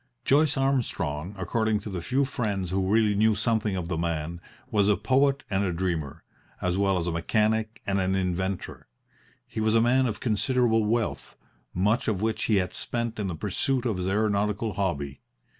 Joyce Armstrong, according to the few friends who really knew something of the man, was a poet and a dreamer, as well as a mechanic and an inventor. He was a man of considerable wealth, much of which he had spent in the pursuit of his aeronautical hobby.